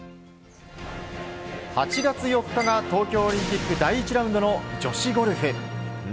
８月４日が東京オリンピック第１ラウンドの女子ゴルフ。